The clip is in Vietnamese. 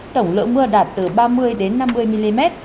tổng lượng mưa đạt từ ba mươi năm mươi mm